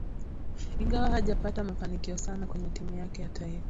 Ingawa hajapata mafanikio sana kwenye timu yake ya taifa